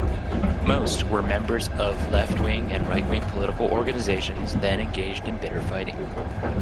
Most were members of left-wing and right-wing political organizations, then engaged in bitter fighting.